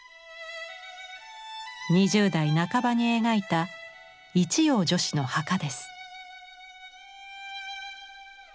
２０代半ばに描いた「一葉女史の墓」です。